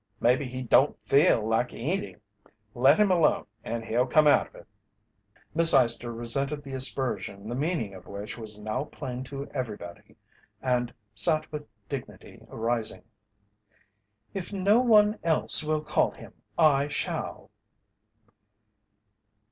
"Maybe he don't feel like eating. Let him alone and he'll come out of it." Miss Eyester resented the aspersion the meaning of which was now plain to everybody, and said with dignity, rising: "If no one else will call him, I shall."